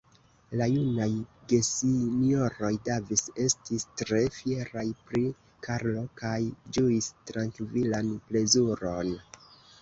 La junaj gesinjoroj Davis estis tre fieraj pri Karlo kaj ĝuis trankvilan plezuron.